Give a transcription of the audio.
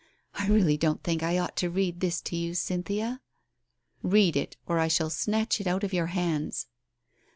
...' I really don't think I ought to read this to you, Cynthia?" "Read it or I shall snatch it out of your hands."